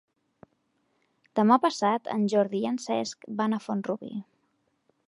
Demà passat en Jordi i en Cesc van a Font-rubí.